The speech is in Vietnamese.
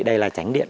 đây là tránh điện